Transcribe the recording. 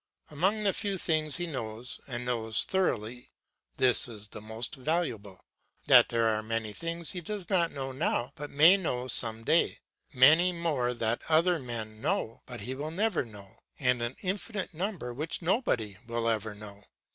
Among the few things he knows and knows thoroughly this is the most valuable, that there are many things he does not know now but may know some day, many more that other men know but he will never know, and an infinite number which nobody will ever know.